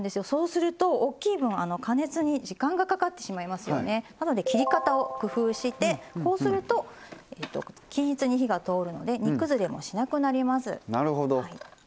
そうすると大きい分加熱に時間がかかってしまいますので切り方に工夫して、こうすると均一に火が通るので煮崩れもしなくなります。